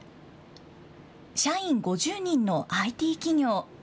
社員５０人のＩＴ企業。